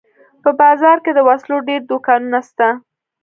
په بازار کښې د وسلو ډېر دوکانونه سته.